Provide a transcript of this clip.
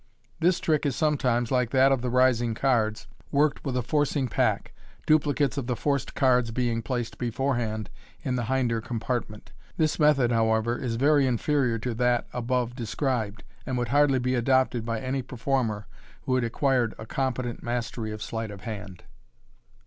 This trick is sometimes, like that of the rising cards, worked with a forcing pack, duplicates of the forced cards being placed before hand in the hinder compartment. This method, however, is very inferior to that above described, and would hardly be adopted by any performer who had acquired a competent mastery of sleight of hand.